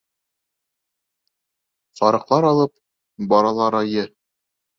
Сарыҡлар алып бараларыйы.